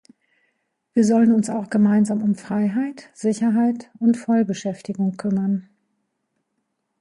Wir sollen uns auch gemeinsam um Freiheit, Sicherheit und Vollbeschäftigung kümmern.